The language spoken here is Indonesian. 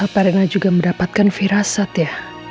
apa rena juga mendapatkan firasat ya